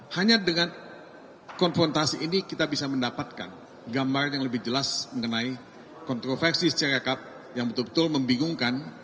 hanya dengan konfrontasi ini kita bisa mendapatkan gambaran yang lebih jelas mengenai kontroversi syarikat yang betul betul membingungkan